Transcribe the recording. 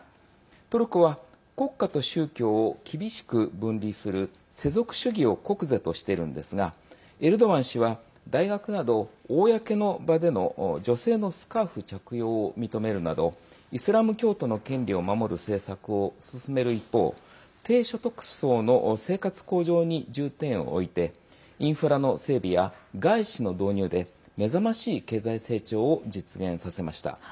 トルコは、国家と宗教を厳しく分離する世俗主義を国是としてるんですがエルドアン氏は大学など公の場での女性のスカーフ着用を認めるなどイスラム教徒の権利を守る政策を進める一方低所得層の生活向上に重点を置いてインフラの整備や外資の導入で目覚ましい経済成長を実現させました。